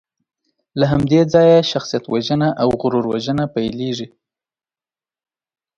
له همدې ځایه شخصیتوژنه او غرور وژنه پیلېږي.